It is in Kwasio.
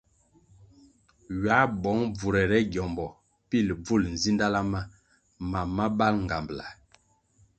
Ywā bong bvurere gyombo pil bvul nzidala ma mam ma bal ngambʼla.